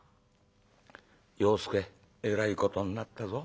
「要助えらいことになったぞ。